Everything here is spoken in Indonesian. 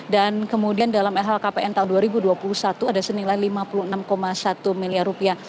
dan kemudian dalam lhkpn tahun dua ribu dua puluh satu ada senilai lima puluh enam satu miliar rupiah